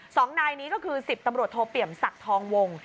สองนายนี้ก็คือสิบตำรวจโทเปี่ยมศักดิ์ทองวง